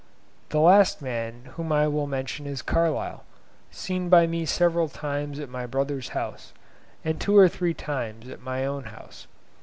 The last man whom I will mention is Carlyle, seen by me several times at my brother's house, and two or three times at my own house.